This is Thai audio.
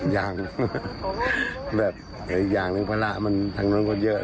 ยังแบบอีกอย่างนึงภาระมันทั้งนั้นก็เยอะ